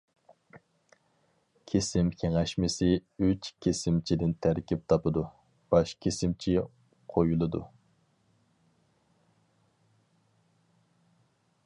كېسىم كېڭەشمىسى ئۈچ كېسىمچىدىن تەركىب تاپىدۇ، باش كېسىمچى قويۇلىدۇ.